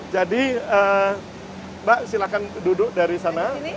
jadi mbak silahkan duduk dari sana